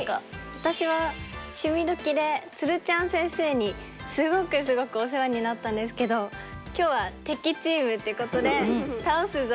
私は「趣味どきっ！」でつるちゃん先生にすごくすごくお世話になったんですけど今日は敵チームってことで倒すぞって意気で頑張りたいと思います。